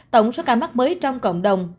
tổng số ca mắc mới trong cộng đồng